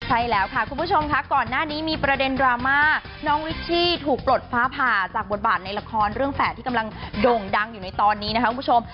ใช่แล้วค่ะคุณผู้ชมค่ะก่อนหน้านี้มีประเด็นดราม่าน้องวิชชี่ถูกปลดฟ้าผ่าจากบทบาทในละครเรื่องแฝดที่กำลังโด่งดังอยู่ในตอนนี้นะคะคุณผู้ชม